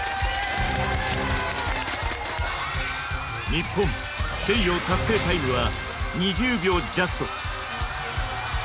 日本チェイヨー達成タイムは２０秒ジャスト。